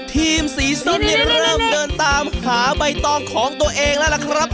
ทีมสีซุดนี่เริ่มเดินตามหาใบตองของตัวเองแล้วล่ะครับ